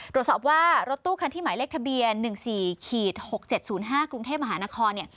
ตรวจสอบว่ารถตู้คันที่หมายเลขทะเบียน๑๔๖๗๐๕กรุงเทพมหานครเนี่ย